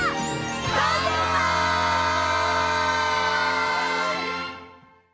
バイバイ！